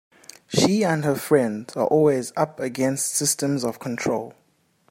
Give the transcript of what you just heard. She and her friends are always up against systems of control.